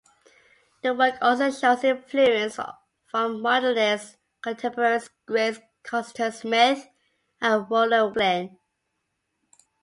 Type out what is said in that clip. The work also shows influence from modernist contemporaries Grace Cossington Smith and Roland Wakelin.